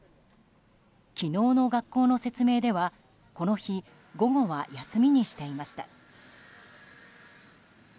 昨日の学校の説明ではこの日、午後は休みにしていました。